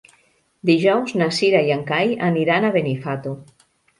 Dijous na Cira i en Cai aniran a Benifato.